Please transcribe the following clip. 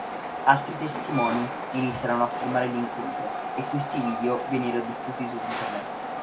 Altri testimoni iniziarono a filmare l'incontro e questi video vennero diffusi su Internet.